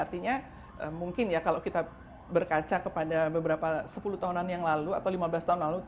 artinya mungkin ya kalau kita berkaca kepada beberapa sepuluh tahunan yang lalu atau lima belas tahun lalu